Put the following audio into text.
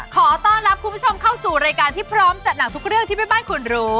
ขอต้อนรับคุณผู้ชมเข้าสู่รายการที่พร้อมจัดหนักทุกเรื่องที่แม่บ้านควรรู้